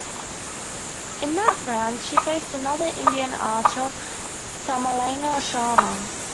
In that round, she faced another Indian archer, Sumangala Sharma.